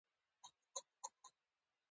تاریخ د زمانې سفر دی.